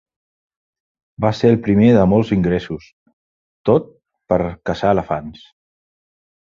Va ser el primer de molts ingressos, tot per caçar elefants.